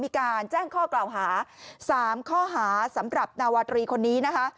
มีการแจ้งข้อกล่าวหา๓ข้อหาสำหรับนาวาตรีคนนี้นะคะ